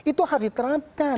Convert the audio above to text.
itu harus diterapkan